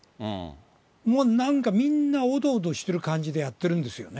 もうなんかみんなおどおどしてる感じでやってるんですよね。